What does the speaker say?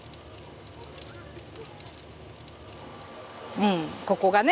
うんここがね